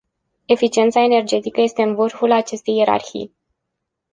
Eficiența energetică este în vârful acestei ierarhii.